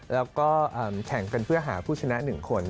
แล้วก็แข่งกันเพื่อหาผู้ชนะ๑คน